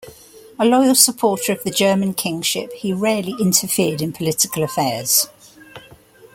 A loyal supporter of the German kingship, he rarely interfered in political affairs.